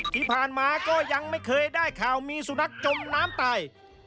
ที่ผ่านมาก็ยังไม่เคยได้ข่าวมีสุนัขจมน้ำตาย